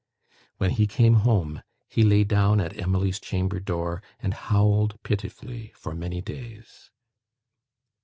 When he came home, he lay down at Emily's chamber door, and howled pitifully for many days.